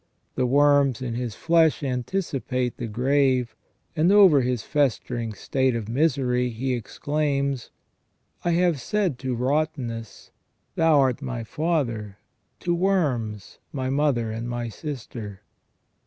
The worms in his flesh anticipate the grave, and over his festering state of misery he exclaims :" I have said to rottenness : Thou art my father ; to worms : my mother and my sister